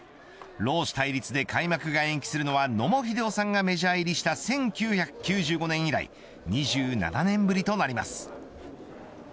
労使対立で開幕が延期するのは野茂英雄さんがメジャー入りした１９９５年以来２７年ぶりとなります。